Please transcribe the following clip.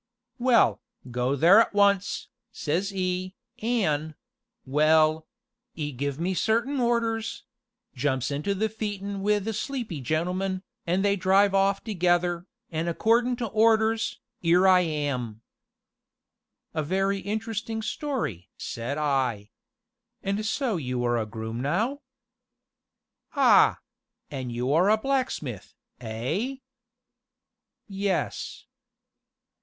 'Well, go there at once,' says 'e,' an',' well 'e give me certain orders jumps into the phaeton wi' the sleepy gentleman, an' they drive off together an' accordin' to orders 'ere I am." "A very interesting story!" said I. "And so you are a groom now?" "Ah! an' you are a blacksmith, eh?" "Yes."